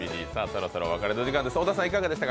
そろそろお別れのお時間です。